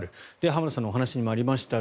浜田さんのお話にもありました